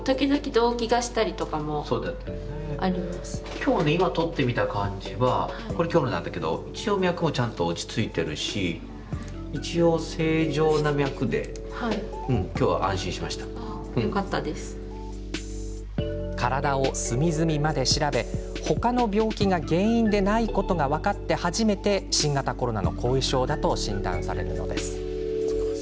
今日、今取ってみた感じはこれ今日のなんだけど一応脈もちゃんと落ち着いているし一応体を隅々まで調べ他の病気が原因ではないことが分かって初めて新型コロナの後遺症だと診断されるのです。